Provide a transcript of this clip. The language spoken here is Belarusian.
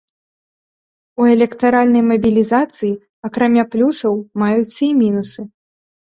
У электаральнай мабілізацыі акрамя плюсаў маюцца і мінусы.